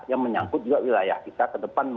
yang menyangkut juga wilayah kita ke depan